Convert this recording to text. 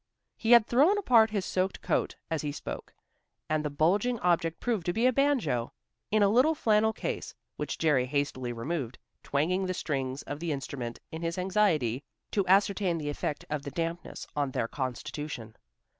He had thrown apart his soaked coat as he spoke, and the bulging object proved to be a banjo, in a little flannel case, which Jerry hastily removed, twanging the strings of the instrument in his anxiety to ascertain the effect of the dampness on their constitution.